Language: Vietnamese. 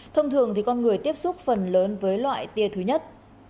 thông thường thì con người tiếp xúc phần lớn với loại tia thứ nhất